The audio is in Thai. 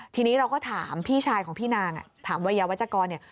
ทีนี้เราก็ถามพี่ชายของพี่นางถามวัยยาวัชกรเนี่ย